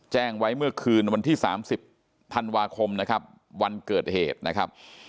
แจ้งไว้เมื่อคืนวันที่๓๐ธันวาคมนะครับวันเกิดเหตุนะครับ